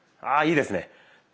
あいいですね。